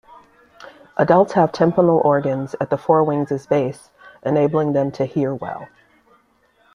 Adults have tympanal organs at the forewings' base, enabling them to hear well.